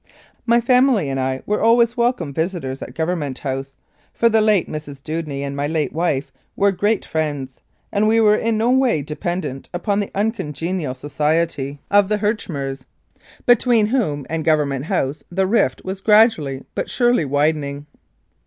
My family and I were always welcome visitors at Government House, for the late Mrs. Dewdney and my late wife were great friends, and we were in no way dependent upon the uncongenial society of the 37 Mounted Police Life in Canada Herchmers, between whom and Government House the "rift" was gradually but surely widening.